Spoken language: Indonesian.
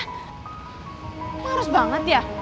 harus banget ya